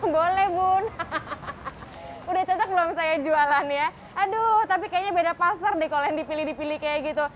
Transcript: boleh bu nahaha udah cocok belum saya jualan ya aduh tapi kayaknya beda pasar deh kalau yang dipilih dipilih kayak gitu